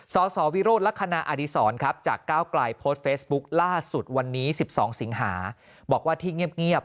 สสวิโรธลักษณะอดีศรครับจากก้าวกลายโพสต์เฟซบุ๊คล่าสุดวันนี้๑๒สิงหาบอกว่าที่เงียบ